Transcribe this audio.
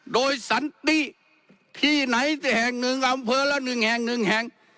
โดยสันนี้ที่ไหนแห่งหนึ่งอำเภอและหนึ่งแห่งหนึ่งแห่ง